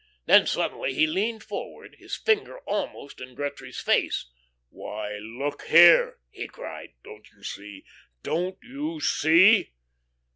Then suddenly he leaned forward, his finger almost in Gretry's face. "Why, look here," he cried. "Don't you see? Don't you see?"